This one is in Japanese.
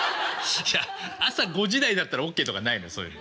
いや朝５時台だったらＯＫとかないのそういうの。